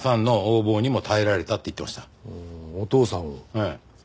ええ。